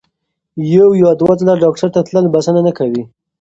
یو یا دوه ځله ډاکټر ته تلل بسنه نه کوي.